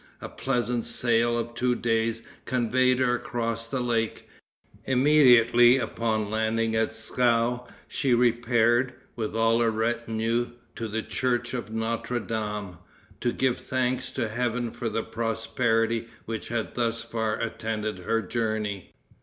A pleasant sail of two days conveyed her across the lake. Immediately upon landing at Pskov, she repaired, with all her retinue, to the church of Notre Dame, to give thanks to Heaven for the prosperity which had thus far attended her journey.